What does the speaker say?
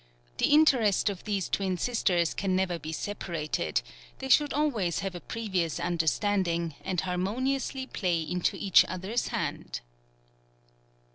— The interest of these twin sisters can never be separated ; they should always have a previous understanding, and harmoniously play into each others hand.